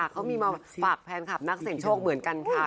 เขามีมาฝากแฟนคลับนักเสี่ยงโชคเหมือนกันค่ะ